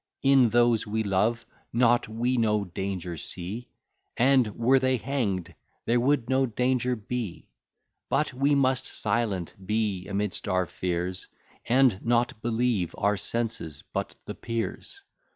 In those we love not, we no danger see, And were they hang'd, there would no danger be. But we must silent be, amidst our fears, And not believe our senses, but the Peers.